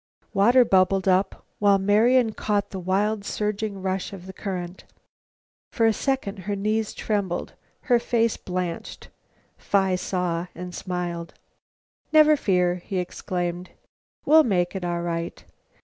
Water bubbled up, while Marian caught the wild surging rush of the current. For a second her knees trembled, her face blanched. Phi saw and smiled. "Never fear," he exclaimed; "we'll make it all right.